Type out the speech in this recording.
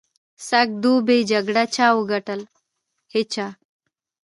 سږ دوبي جګړه چا وګټل؟ هېچا.